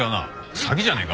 詐欺じゃねえか？